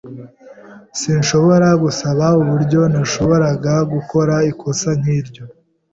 Sinshobora gusama uburyo nashoboraga gukora ikosa nkiryo.